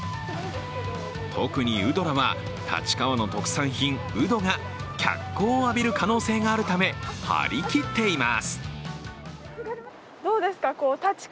特にウドラは立川の特産品、ウドが脚光を浴びる可能性があるため、張り切っています。